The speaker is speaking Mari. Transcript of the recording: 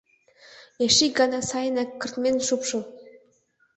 Эше ик гана сайынак кыртмен шупшыл!